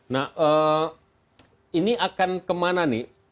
nah ini akan kemana nih